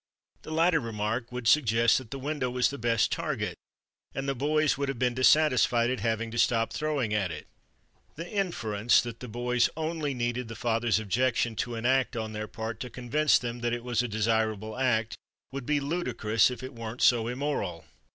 The latter remark would suggest that the window was the best target and the boys would have been dissatisfied at having to stop throwing at it." The inference that the boys only needed the father's objection to an act on their part to convince them that it was a desirable act would be ludicrous if it weren't so immoral.